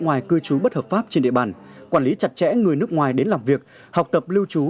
ngoài cư trú bất hợp pháp trên địa bàn quản lý chặt chẽ người nước ngoài đến làm việc học tập lưu trú